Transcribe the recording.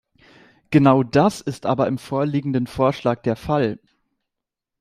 Genau das ist aber im vorliegenden Vorschlag der Fall.